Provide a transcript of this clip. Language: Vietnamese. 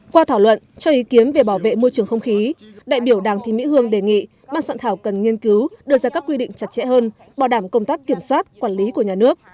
qua thảo luận cho ý kiến về bảo vệ môi trường không khí đại biểu đảng thị mỹ hương đề nghị ban soạn thảo cần nghiên cứu đưa ra các quy định chặt chẽ hơn bảo đảm công tác kiểm soát quản lý của nhà nước